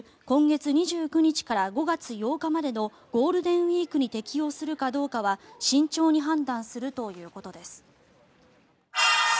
今月２９日から５月８日までのゴールデンウィークに適用するかどうかは慎重に判断するということです。